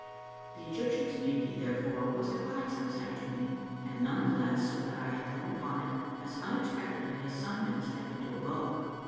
The Egyptian's beauty, therefore, was a gladsome sight to me, and none the less so that I had come upon it as unexpectedly as some men step into a bog.